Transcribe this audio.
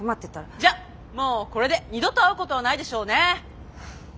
じゃあもうこれで二度と会うことはないでしょうね。